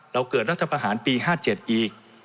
เราเกิดรัฐประหารปี๕๗อีก